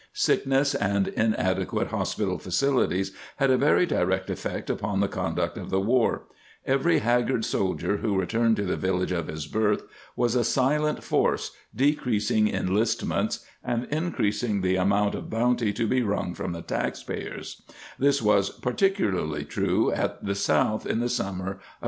Sickness and inadequate hospital facilities had a very direct effect upon the conduct of the war. Every haggard soldier who returned to the village of his birth was a silent force, decreasing enlist ments and increasing the amount of bounty to be wrung from the taxpayers ; this was particularly / 1 Director General Cochran ; in Magazine of American His tory, September, 1884, p.